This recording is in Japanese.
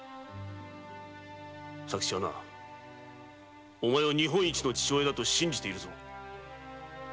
佐吉はお前を日本一の父親だと信じているぞ。